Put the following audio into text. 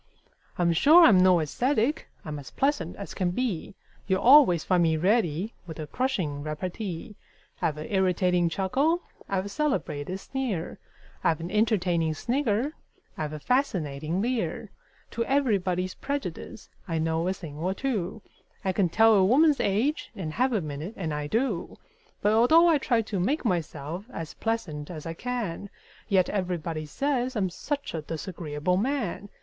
I'm sure I'm no ascetic: I'm as pleasant as can be; You'll always find me ready with a crushing repartee; I've an irritating chuckle; I've a celebrated sneer; I've an entertaining snigger; I've a fascinating leer; To everybody's prejudice I know a thing or two; I can tell a woman's age in half a minute and I do But although I try to make myself as pleasant as I can, Yet everybody says I'm such a disagreeable man!